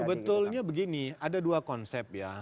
sebetulnya begini ada dua konsep ya